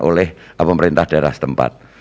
oleh pemerintah daerah setempat